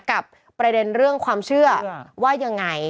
ประเด็นเรื่องความเชื่อว่ายังไง